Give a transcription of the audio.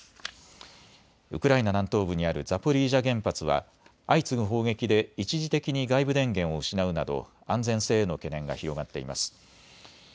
ウクライナ南東部にあるザポリージャ原発は相次ぐ砲撃で一時的に外部電源を失うなど安全性への懸念が広がっています。